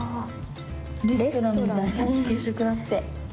レストランみたいな給食だって。